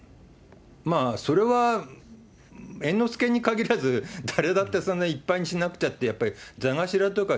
それは猿之助に限らず、誰だってそんないっぱいにしなくちゃって、座頭とか、